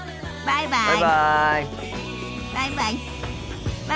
バイバイ。